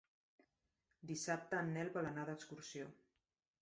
Dissabte en Nel vol anar d'excursió.